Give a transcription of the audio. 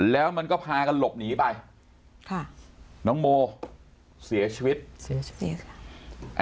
แล้วมันก็พากันหลบหนีไปค่ะน้องโมเสียชีวิตเสียชีวิตค่ะ